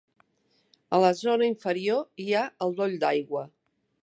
A la zona inferior hi ha el doll d'aigua.